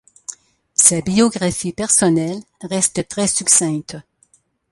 Sa biographie personnelle reste très succincte.